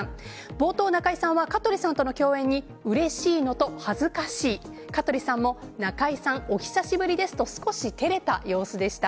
冒頭、中居さんは香取さんとの共演にうれしいのと恥ずかしい香取さんも中居さん、お久しぶりですと少し照れた様子でした。